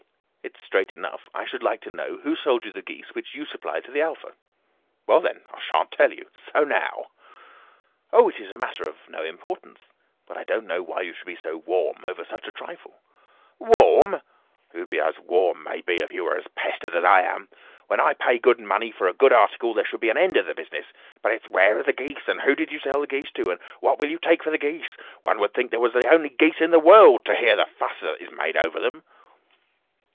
"It is straight enough. I should like to know who sold you the geese which you supplied to the Alpha." "Well then, I shan't tell you. So now!" "Oh, it is a matter of no importance; but I don't know why you should be so warm over such a trifle." "Warm! You'd be as warm, maybe, if you were as pestered as I am. When I pay good money for a good article there should be an end of the business; but it's 'Where are the geese?' and 'Who did you sell the geese to?' and 'What will you take for the geese?' One would think they were the only geese in the world, to hear the fuss that is made over them."